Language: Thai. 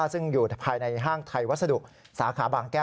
ซึ่งอยู่ภายในห้างไทยวัสดุสาขาบางแก้ว